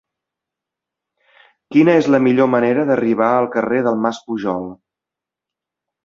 Quina és la millor manera d'arribar al carrer del Mas Pujol?